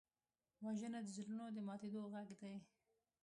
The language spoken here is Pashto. وژنه د زړونو د ماتېدو غږ دی